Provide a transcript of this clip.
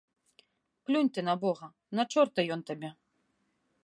Плюнь ты на бога, на чорта ён табе.